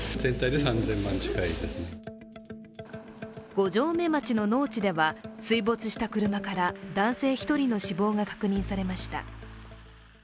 五城目町の農地では水没した車から男性１人の死亡が確認されました。